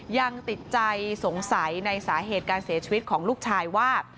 ยังติดใจสงสัยในสาเหตุการเสียชีวิตของลูกชายว่า